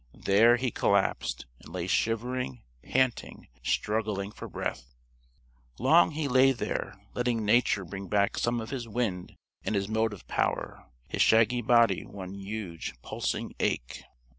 There, he collapsed and lay shivering, panting, struggling for breath. Long he lay there, letting Nature bring back some of his wind and his motive power, his shaggy body one huge pulsing ache.